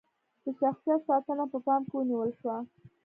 د شخصیت ساتنه په پام کې ونیول شوه.